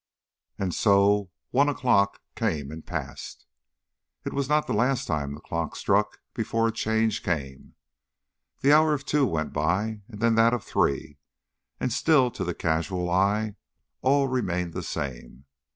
And so one o'clock came and passed. It was not the last time the clock struck before a change came. The hour of two went by, then that of three, and still, to the casual eye, all remained the same.